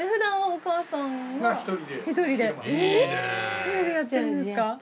１人でやってるんですか。